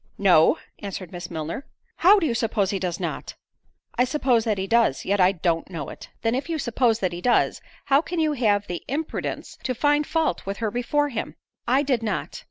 "No," answered Miss Milner. "How! do you suppose he does not?" "I suppose that he does, yet I don't know it." "Then if you suppose that he does, how can you have the imprudence to find fault with her before him?" "I did not.